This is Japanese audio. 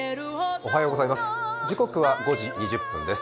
おはようございます。